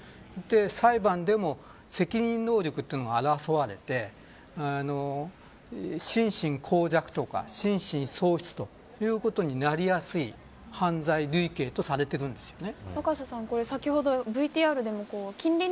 裁判でも責任能力というのが争われて心身耗弱とか心神喪失ということになりやすい犯罪類型とされているんですよね。